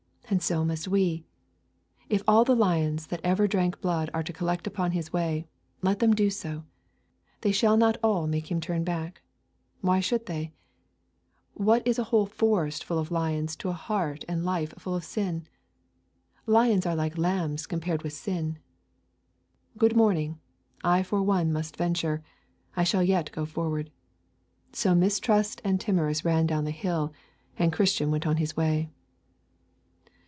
And so must we. If all the lions that ever drank blood are to collect upon his way, let them do so; they shall not all make him turn back. Why should they? What is a whole forest full of lions to a heart and a life full of sin? Lions are like lambs compared with sin. 'Good morning! I for one must venture. I shall yet go forward.' So Mistrust and Timorous ran down the hill, and Christian went on his way.